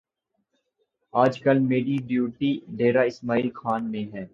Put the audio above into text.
آج کل میری ڈیوٹی ڈیرہ اسماعیل خان میں ہے